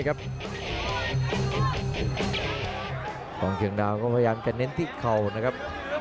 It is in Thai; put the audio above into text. กองเชียงดาวก็พยายามจะเน้นที่เข่านะครับ